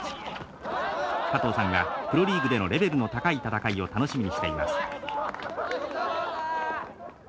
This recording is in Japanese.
加藤さんはプロリーグでのレベルの高い戦いを楽しみにしています。